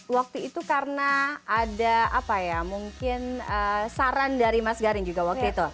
waktu itu karena ada apa ya mungkin saran dari mas garin juga waktu itu